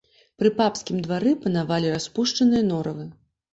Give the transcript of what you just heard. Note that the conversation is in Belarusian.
Пры папскім двары панавалі распушчаныя норавы.